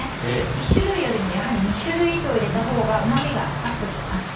１種類よりもやはり２種類以上入れた方がうま味がアップします。